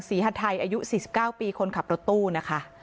ฮัทไทยอายุ๔๙ปีคนขับรถตู้นะคะ